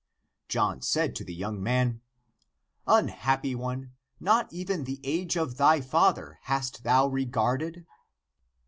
John said to the young man, " Unhappy one, not even the age of thy father hast thou regarded